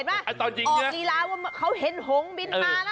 ขลืนดูฝั่งเห็นไหมรีลาว่าเขาเห็นหงก์บินมา